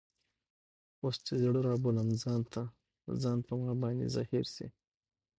اوس چي زړه رابولم ځان ته ، ځان په ما باندي زهیر سي